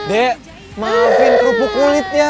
dek maafin kerupuk kulit ya